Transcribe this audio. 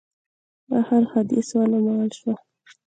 اهل حدیث ونومول شوه.